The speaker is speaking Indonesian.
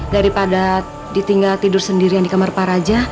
daripada ditinggal tidur sendirian di kamar pak raja